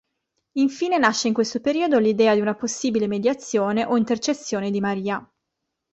Infine nasce in questo periodo l'idea di una possibile mediazione o intercessione di Maria.